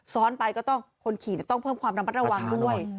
ซ้อนไปก็ต้องคนขี่เนี่ยต้องเพิ่มความระวังด้วย